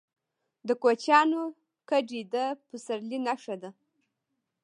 د کوچیانو کډې د پسرلي نښه ده.